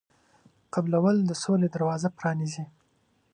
قبلول د سولې دروازه پرانیزي.